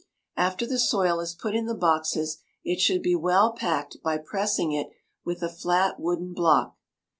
After the soil is put in the boxes it should be well packed by pressing it with a flat wooden block.